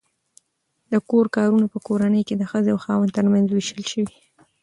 د کور کارونه په کورنۍ کې د ښځې او خاوند ترمنځ وېشل شوي.